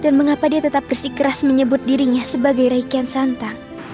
dan mengapa dia tetap beristikeras menyebut dirinya sebagai raiken santang